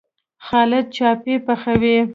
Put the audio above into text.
خالد چايي پخوي.